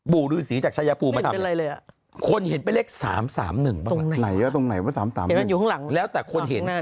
บูรือศรีจากชายปูมาทำคนเห็นเป็นเลข๓๓๑บ้างแหละแล้วแต่คนเห็น